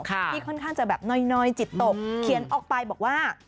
ที่ค่อนข้างจะแบบน้อยจิตตกเขียนออกไปบอกว่า